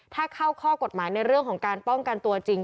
ถ้าเข้าข้อกฎหมายในเรื่องของการป้องกันตัวจริง